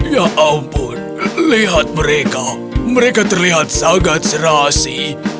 ya ampun lihat mereka mereka terlihat sangat serasi